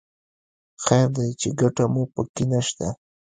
خیر دی چې ګټه مو په کې نه شته.